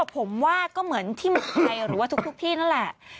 ผมว่าก็เหมือนที่เมืองไทยหรือว่าทุกที่นั่นแหละ